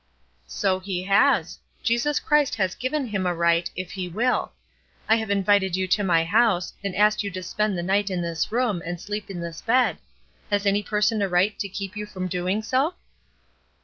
"So he has. Jesus Christ has given him a right, if he will. I have invited you to my house, and asked you to spend the night in this room, and sleep in this bed. Has any person a right to keep you from doing so?"